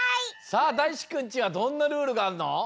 さあだいしくんちはどんなルールがあるの？